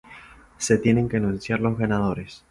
Se tienen que anunciar los ganadores.